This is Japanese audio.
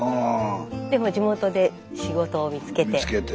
でも地元で仕事を見つけて。